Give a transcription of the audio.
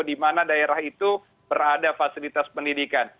di mana daerah itu berada fasilitas pendidikan